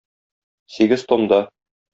Сигез томда.